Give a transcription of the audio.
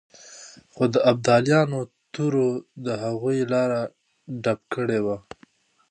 خو د ابدالیانو تورو د هغوی لاره ډب کړې وه.